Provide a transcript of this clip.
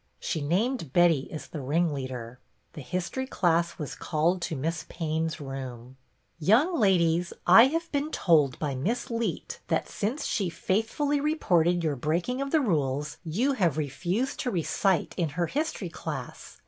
She named Betty as the ringleader. The history class was called to Miss Payne's room. A FEAST — NEW TEACHER i8i " Young ladies, I have been told by Miss Leet that, since she faithfully reported your breaking of the rules, you have refused to recite in her history class.